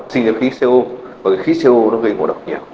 sinh ra khí co và khí co gây ngộ độc nhẹ